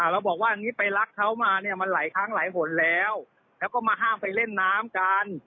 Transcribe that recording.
เราบอกว่าอันนี้ไปรักเขามามันไหลข้างไหลห่นแล้วแล้วก็มาห้ามไปเล่นน้ำกัน